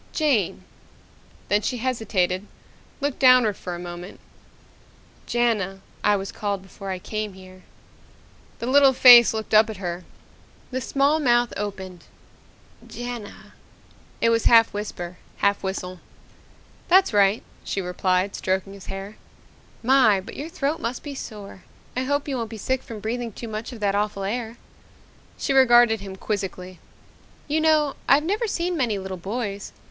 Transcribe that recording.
"Jane." Then she hesitated, looked downward for a moment. "Jana, I was called before I came here." The little face looked up at her. The small mouth opened. "Jana." It was half whisper, half whistle. "That's right," she replied, stroking his hair. "My, but your throat must be sore. I hope you won't be sick from breathing too much of that awful air." She regarded him quizzically. "You know, I've never seen many little boys.